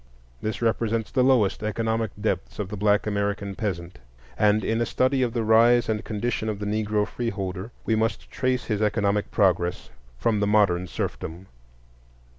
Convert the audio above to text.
This represents the lowest economic depths of the black American peasant; and in a study of the rise and condition of the Negro freeholder we must trace his economic progress from the modern serfdom.